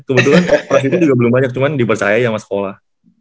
kebetulan prasidu juga belum banyak cuman dipercayai sama sekolah